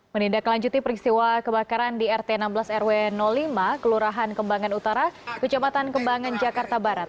menindaklanjuti peristiwa kebakaran di rt enam belas rw lima kelurahan kembangan utara kecamatan kembangan jakarta barat